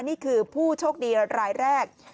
นี่คือผู้โชคดีรายแรก